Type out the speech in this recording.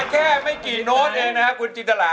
ขึ้นมาไม่กี่โน้ตเองนะครับคุณจิฎระ